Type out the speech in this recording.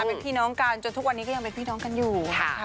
เป็นพี่น้องกันจนทุกวันนี้ก็ยังเป็นพี่น้องกันอยู่นะคะ